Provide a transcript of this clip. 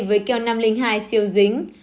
với keo năm trăm linh hai siêu dính